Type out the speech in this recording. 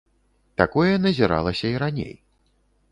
Такое назіралася і раней.